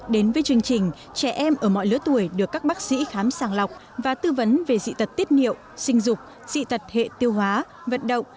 đến với chương trình trẻ em ở mọi lứa tuổi được các bác sĩ khám sàng lọc và tư vấn về dị tật tiết niệu sinh dục dị tật hệ tiêu hóa vận động